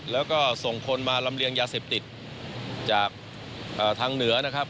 แล้วก็ส่งคนมาลำเลียงยาเสพติดจากทางเหนือนะครับ